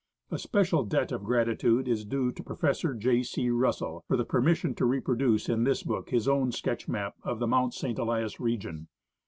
A special debt of gratitude is due to Professor J. C. Russell for the permiission to reproduce in this book his own sketch map of the Mount St. Elias region.